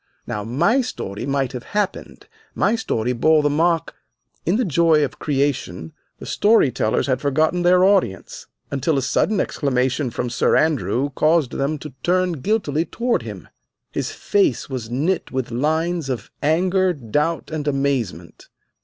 Now my story might have happened, my story bore the mark " In the joy of creation the story tellers had forgotten their audience, until a sudden exclamation from Sir Andrew caused them to turn guiltily toward him. His face was knit with lines of anger, doubt, and amazement.